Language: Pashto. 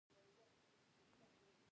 ایا کارکوونکو چلند ښه و؟